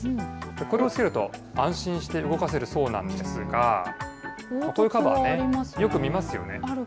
これをつけると安心して動かせるそうなんですが、こういうカバーね、よく見ますよね。